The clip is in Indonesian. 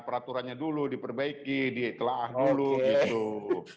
peraturannya dulu diperbaiki ditelaah dulu gitu